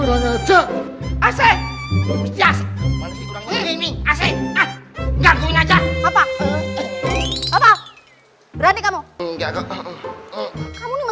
kala tentu kala